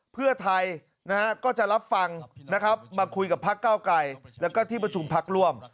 เพื่อไทยนะฮะก็จะรับฟังนะครับมาคุยกับพักเก้าไกรแล้วก็ที่ประชุมพักร่วม